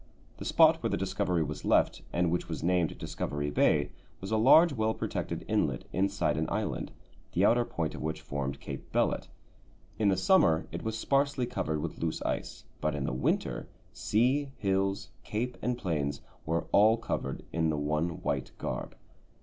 The spot where the Discovery was left, and which was named Discovery Bay, was a large, well protected inlet inside an island, the outer point of which formed Cape Bellot. In the summer it was sparsely covered with loose ice, but in the winter, sea, hills, cape, and plains were all covered in the one white garb.